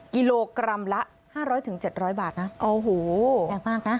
กิโลกรัมละห้าร้อยถึงเจ็ดร้อยบาทนะโอ้โหแพงมากนะ